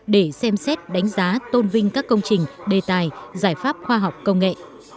để xem xét đánh giá tôn vinh các công trình đề tài giải pháp khoa học công nghệ